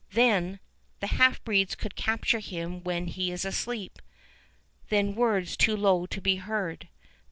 ... Then, "The half breeds could capture him when he is asleep." ... Then words too low to be heard.